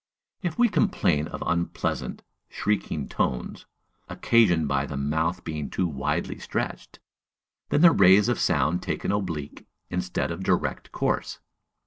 If we complain of unpleasant, shrieking tones, occasioned by the mouth being too widely stretched, then "the rays of sound take an oblique, instead of a direct course"!